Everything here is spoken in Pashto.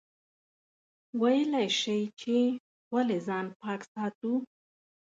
ویلای شئ چې ولې ځان پاک ساتو؟